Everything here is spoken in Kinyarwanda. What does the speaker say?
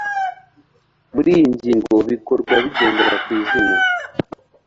muri iyi ngingo bikorwa bigendera ku izina